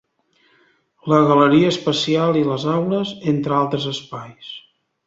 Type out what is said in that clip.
La galeria espacial i les aules, entre altres espais.